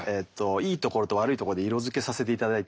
いいところと悪いところで色づけさせていただいたんで。